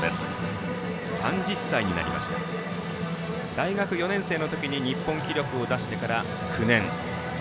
大学４年生の時に日本記録を出してから９年。